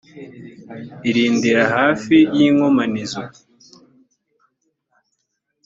urindira hafi y inkomanizo